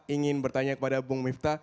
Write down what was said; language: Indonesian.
ingin bertanya kepada bung miftah